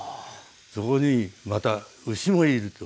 そこにまた牛もいると。